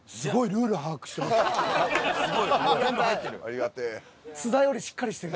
ありがてぇ。